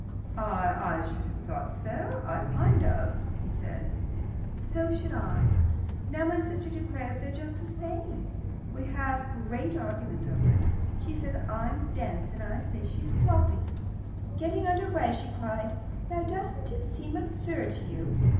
"I I should have thought so, kind of," he said. "So should I. Now, my sister declares they're just the same. We have great arguments over it. She says I'm dense; I say she's sloppy." Getting under way, she cried: "Now, doesn't it seem absurd to you?